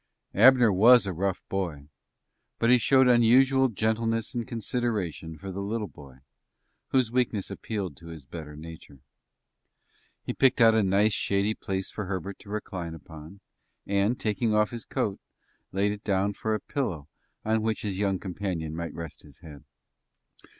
Abner was a rough boy, but he showed unusual gentleness and consideration for the little boy, whose weakness appealed to his better nature. He picked out a nice, shady place for Herbert to recline upon, and, taking off his coat, laid it down for a pillow on which his young companion might rest his head.